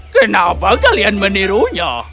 kenapa kalian menirunya